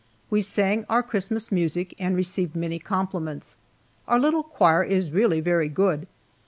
We sang our Christmas music, and received many compliments. Our little choir is really very good.